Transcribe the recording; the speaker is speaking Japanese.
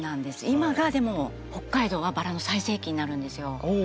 今がでも北海道はバラの最盛期になるんですよ。